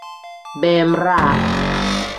Beemiraa.